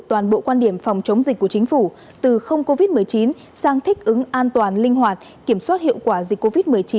toàn bộ quan điểm phòng chống dịch của chính phủ từ không covid một mươi chín sang thích ứng an toàn linh hoạt kiểm soát hiệu quả dịch covid một mươi chín